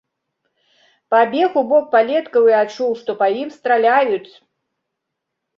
Пабег у бок палеткаў і адчуў, што па ім страляюць.